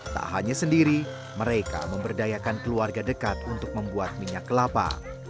tak hanya sendiri mereka memberdayakan keluarga dekat untuk membuat minyak kelapa